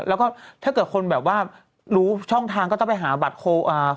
แล้วก็ถ้าเกิดคนแบบว่ารู้ช่องทางก็ต้องไปหาบัตร